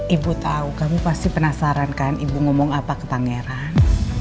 ibu tahu kamu pasti penasaran kan ibu ngomong apa ke pangeran